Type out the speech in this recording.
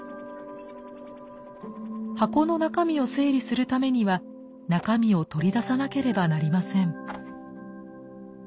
箱の中身を整理するためには中身を取り出さなければなりません。